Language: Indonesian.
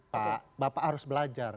pak bapak harus belajar